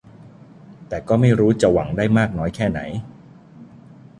แต่ก็ไม่รู้จะหวังได้มากน้อยแค่ไหน